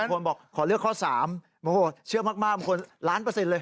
คนบอกขอเลือกข้อ๓โอ้โหเชื่อมากคนล้านเปอร์เซ็นต์เลย